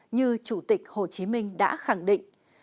như chủ tịch hồ chí minh đã khẳng định